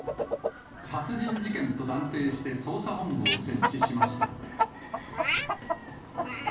殺人事件と断定して、捜査本部を設置しました。